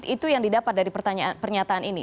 itu yang didapat dari pernyataan ini